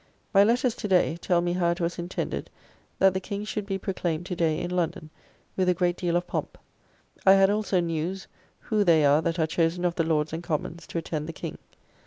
My letters to day tell me how it was intended that the King should be proclaimed to day in London, with a great deal of pomp. I had also news who they are that are chosen of the Lords and Commons to attend the King.